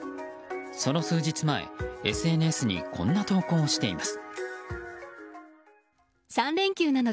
その数日前、ＳＮＳにこんな投稿をしています。